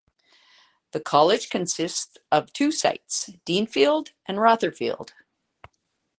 The college consists of two sites, Deanfield and Rotherfield.